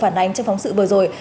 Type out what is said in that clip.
vừa phản ánh trong phóng sự vừa rồi